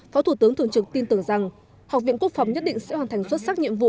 phó thủ tướng thường trực tin tưởng rằng học viện quốc phòng nhất định sẽ hoàn thành xuất sắc nhiệm vụ